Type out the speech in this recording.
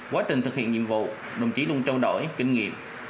quá trình thực hiện nhiệm vụ đồng chí luôn trao đổi kinh nghiệm